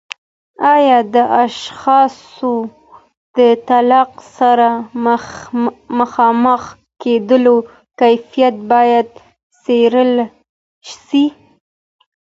آیا د اشخاصو د طلاق سره مخامخ کیدو کیفیت باید څیړل سي؟